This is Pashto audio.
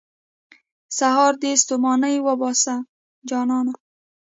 سهار دې ستوماني وباسه، جانانه.